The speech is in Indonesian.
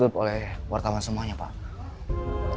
ditutup oleh wartawan semuanya pak